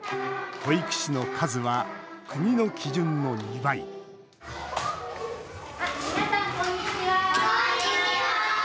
保育士の数は国の基準の２倍こんにちは。